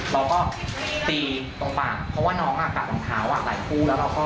เราก็ตีตรงปากเพราะว่าน้องกัดรองเท้าหลายคู่แล้วเราก็